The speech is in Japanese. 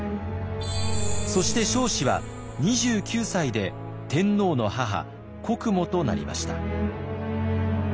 そして彰子は２９歳で天皇の母国母となりました。